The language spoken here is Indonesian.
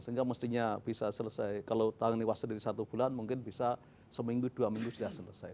sehingga mestinya bisa selesai kalau tangan iwa sendiri satu bulan mungkin bisa seminggu dua minggu sudah selesai